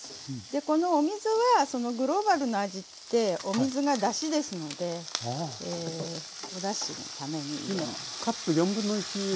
このお水はそのグローバルな味ってお水がだしですのでおだしのために。